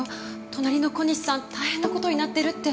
隣の小西さん、大変なことになってるって。